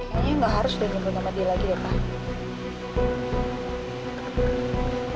kayaknya gak harus udah jemput sama dia lagi lho pak